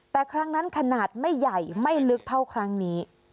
แต่ครั้งนั้นขนาดไม่ใหญ่ไม่ลึกเท่าครั้งนี้